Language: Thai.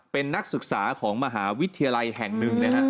เป็นนักศึกษาของมหาวิทยาลัยแห่งหนึ่งนะฮะ